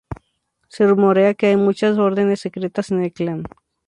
Se rumorea que hay muchas órdenes secretas en el clan.